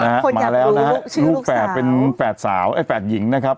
คนอยากรู้ชื่อลูกสาวลูกแฝดเป็นแฝดสาวแฝดหญิงนะครับ